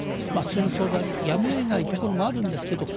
戦争でありやむをえないところもあるんですけれども。